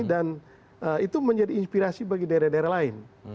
dan itu menjadi inspirasi bagi daerah daerah lain